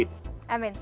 amin terima kasih